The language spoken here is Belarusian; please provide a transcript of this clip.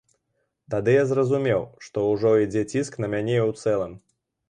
Тады я зразумеў, што ўжо ідзе ціск на мяне ў цэлым.